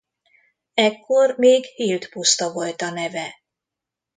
Ekkor még Hild-puszta volt a neve.